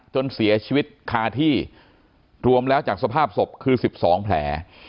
จนเสียชีวิตคาที่รวมแล้วจากสภาพศพคือ๑๒แผล